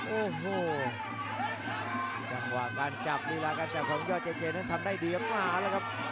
โอ้โหจังหวะการจับลีลาการจับของยอดเจเจนั้นทำได้ดีออกมาแล้วครับ